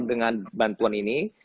dengan bantuan ini